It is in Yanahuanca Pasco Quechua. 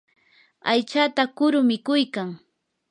aychata kuru mikuykan.